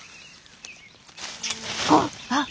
あっ！